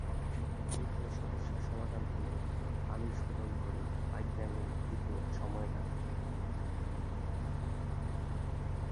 সেখানে সমস্যার সমাধান হলেও পানি শোধন করে পাইপলাইনে দিতেও সময় লাগে।